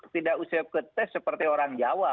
tidak usia ke tes seperti orang jawa